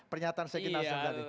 pernyataan saya kini nasdem tadi